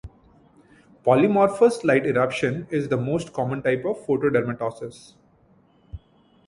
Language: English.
Polymorphous light eruption is the most common type of photodermatoses.